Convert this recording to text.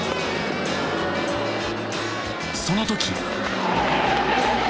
その時！